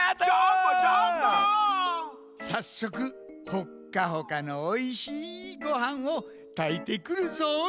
さっそくほっかほかのおいしいごはんをたいてくるぞい！